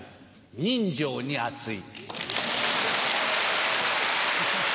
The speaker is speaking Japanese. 人情に厚い。